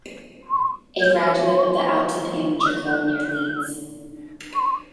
A graduate of the Oulton amateur club near Leeds.